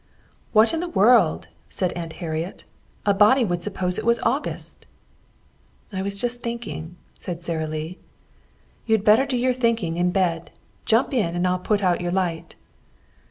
"What in the world!" said Aunt Harriet. "A body would suppose it was August." "I was just thinking," said Sara Lee. "You'd better do your thinking in bed. Jump in and I'll put out your light."